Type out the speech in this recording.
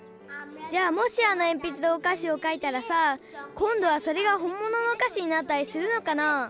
じゃあもしあのえんぴつでおかしをかいたらさこんどはそれが本もののおかしになったりするのかな？